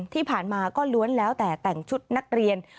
ที่ผ่านมาก็ล้วนแล้วแต่แต่งชุดนักเรียน